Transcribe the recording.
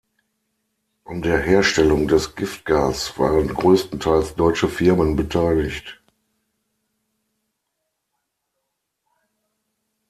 An der Herstellung des Giftgas waren größtenteils deutsche Firmen beteiligt.